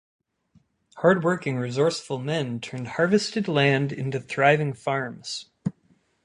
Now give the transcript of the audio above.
Hard working, resourceful men turned harvested land into thriving farms.